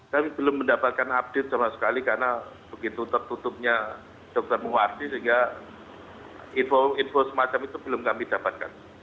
kami belum mendapatkan update sama sekali karena begitu tertutupnya dr muwardi sehingga info semacam itu belum kami dapatkan